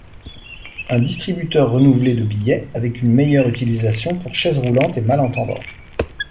Un distributeur renouvelé de billets avec une meilleure utilisation pour chaise roulante et malentendants.